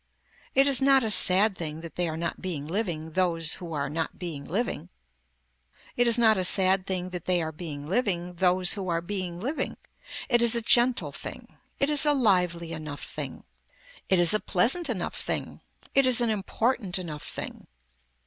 It is not a sad thing that they are not being living those who are not being living. It is not a sad thing that they are being living those who are being living. It is a gentle thing. It is a lively enough thing. It is a pleasant enough thing. It is an important enough thing.